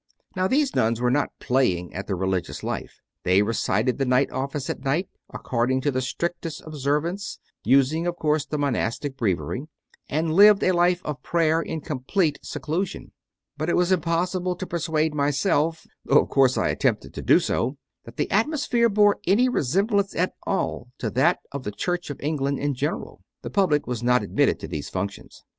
Now, these nuns were not playing at the Religious Life: they recited the night Office at night, according to the strictest observance using of course the monastic Breviary and lived a life of prayer in complete seclusion. But it was impossible to persuade myself, though of course I attempted to do so, that the atmosphere bore any resemblance at all to that of the Church of England in general. The public was not admitted to these functions.